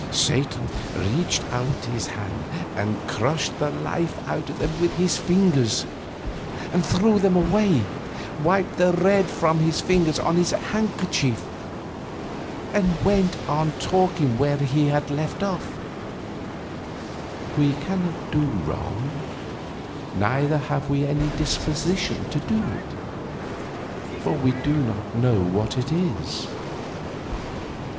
Satan reached out his hand and crushed the life out of them with his fingers, threw them away, wiped the red from his fingers on his handkerchief, and went on talking where he had left off: "We cannot do wrong; neither have we any disposition to do it, for we do not know what it is."